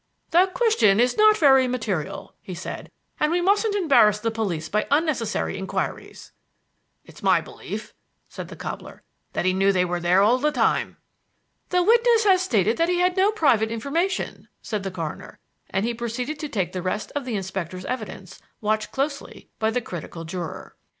"The question is not very material," he said, "and we mustn't embarrass the police by unnecessary inquiries." "It's my belief," said the cobbler, "that he knew they were there all the time." "The witness has stated that he had no private information," said the coroner; and he proceeded to take the rest of the inspector's evidence, watched closely by the critical juror.